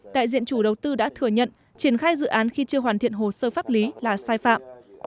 đại diện chủ đầu tư đã thừa nhận triển khai dự án khi chưa hoàn thiện hồ sơ pháp lý là sai phạm